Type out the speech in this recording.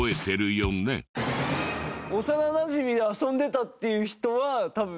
幼なじみで遊んでたっていう人は多分。